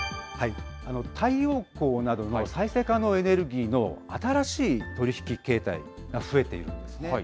太陽光などの再生可能エネルギーの新しい取り引き形態が増えているんですね。